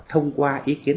thông qua ý kiến